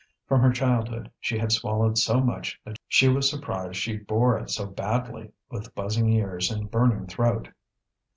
From her childhood she had swallowed so much that she was surprised she bore it so badly, with buzzing ears and burning throat.